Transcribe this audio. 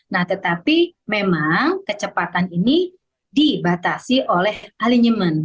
nah tetapi memang kecepatan ini dibatasi oleh alinyemen